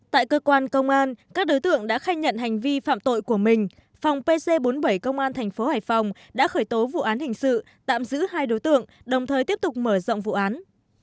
tại cơ quan công an các đối tượng đã khai nhận hành vi phạm tội của mình phòng pc bốn mươi bảy công an thành phố hải phòng đã khởi tố vụ án hình sự tạm giữ hai đối tượng đồng thời tiếp tục mở rộng vụ án